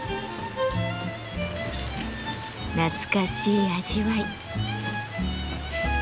懐かしい味わい。